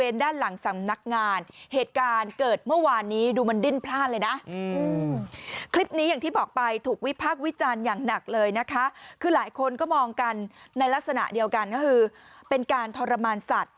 ในลักษณะเดียวกันก็คือเป็นการทรมานสัตว์